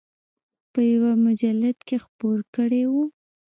په یوه مجلد کې خپور کړی و.